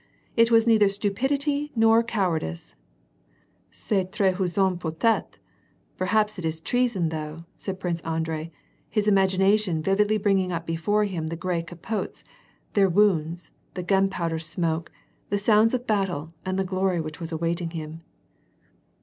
It was neither stupidity nor cowardice." *^ ^^Cegt trahison peut etre — Perhaps it is treason, though," said Prince Andrei, his imagination vividly bringing up before him the gray capotes, the wounds, the gunpowder smoke, the sounds of battle, and the glory which was awaiting him.